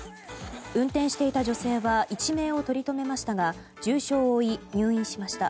運転していた女性は一命をとりとめましたが重傷を負い、入院しました。